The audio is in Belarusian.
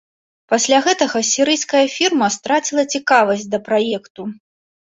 Пасля гэтага сірыйская фірма страціла цікавасць да праекту.